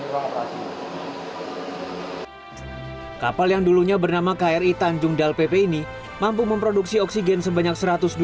hai kapal yang dulunya bernama kri tanjung dal pp ini mampu memproduksi oksigen sebanyak satu ratus dua puluh